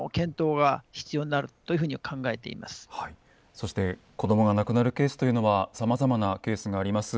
そして子どもが亡くなるケースというのはさまざまなケースがあります。